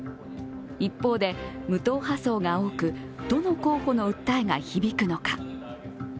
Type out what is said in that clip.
一方で、無党派層が多く、どの候補の訴えが響くのか。